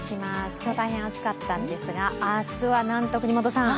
今日、大変暑かったんですが、明日はなんと國本さん！